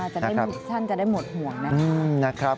จะได้หมดห่วงนะครับ